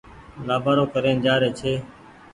لآٻآرو ڪرين جآري ڇي۔